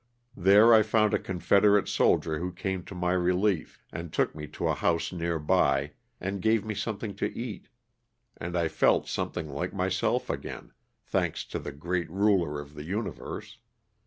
There I found a confed erate soldier who came to my relief, and took me to a house near by, and gave me something to eat, and I felt something like myself again, thanks to the Great Ruler of the Universe.